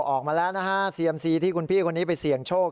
ออกมาแล้วนะฮะเซียมซีที่คุณพี่คนนี้ไปเสี่ยงโชค